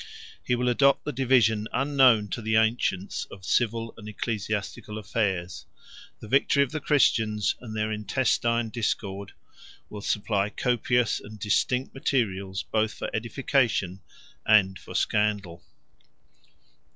He will adopt the division unknown to the ancients of civil and ecclesiastical affairs: the victory of the Christians, and their intestine discord, will supply copious and distinct materials both for edification and for scandal.